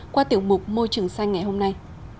qua tiểu mục môi trường xanh ngày hôm nay